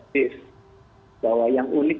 bis bahwa yang unik